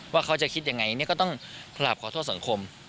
ว่าเขาจะคิดอย่างไรก็ต้องขอโทษสังคม